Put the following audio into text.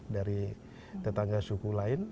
dari tetangga suku lain